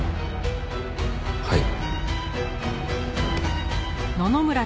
はい。